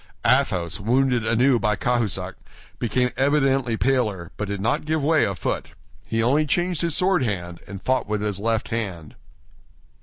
Athos, wounded anew by Cahusac, became evidently paler, but did not give way a foot. He only changed his sword hand, and fought with his left hand.